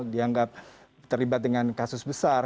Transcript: dianggap terlibat dengan kasus besar